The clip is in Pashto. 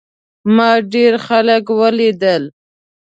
ما ډېر خلک ولیدل.